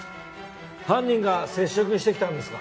犯人が接触してきたんですか？